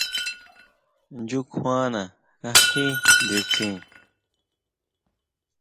¿ʼNchukjuana kají nditsin?